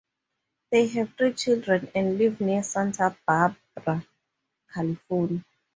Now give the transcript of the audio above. They have three children and live near Santa Barbara, California.